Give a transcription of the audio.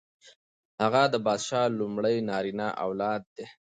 هغه د پادشاه لومړی نارینه اولاد دی.